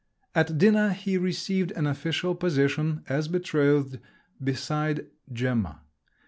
At dinner he received an official position, as betrothed, beside Gemma.